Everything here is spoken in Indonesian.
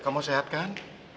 kamu sehat kan